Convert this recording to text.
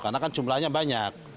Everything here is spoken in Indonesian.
karena kan jumlahnya banyak